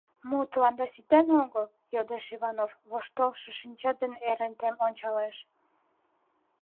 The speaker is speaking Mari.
— Мо тыланда ситен огыл? — йодеш Иванов, воштылшо шинча дене Ерентем ончалеш.